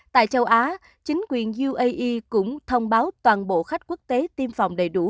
tại châu á chính quyền uae cũng thông báo toàn bộ khách quốc tế tiêm phòng đầy đủ